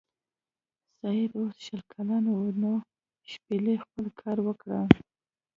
سید اوس شل کلن و نو شپیلۍ خپل کار وکړ.